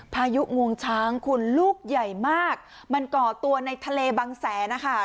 พายุงวงช้างคุณลูกใหญ่มากมันก่อตัวในทะเลบังแสนนะคะ